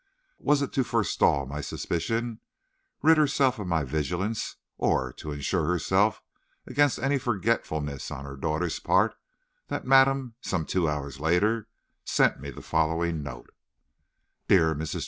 Was it to forestall my suspicions, rid herself of my vigilance, or to insure herself against any forgetfulness on her daughter's part, that madame, some two hours later, sent me the following note: "DEAR MRS.